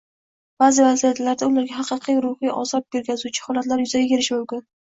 ba’zi vaziyatlarda ularga haqiqiy ruhiy ozor yetkazuvchi holatlar yuzaga kelishi mumkin.